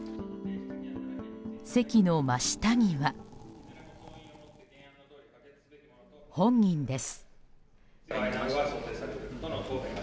席の真下には、本人です。